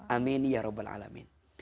amin ya robbal alamin